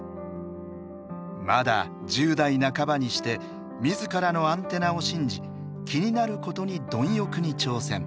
まだ１０代半ばにして自らのアンテナを信じ気になることに貪欲に挑戦。